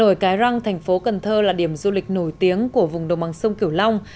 trợ đổi cái răng thành phố cần thơ là điểm dụng cho du lịch nổi tiếng của vùng đồng bằng sông kiểu long